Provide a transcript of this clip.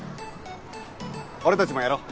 俺たちもやろう。